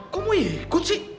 kok mau ikut sih